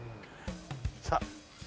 さあ。